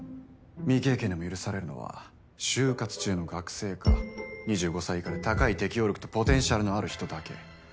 未経験でも許されるのは就活中の学生か２５歳以下で高い適応力とポテンシャルのある人だけ。